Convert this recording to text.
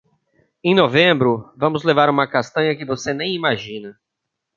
Em novembro, vamos levar uma castanha que você nem imagina.